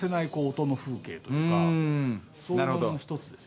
そういうのの一つですよね。